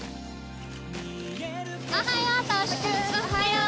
おはよう！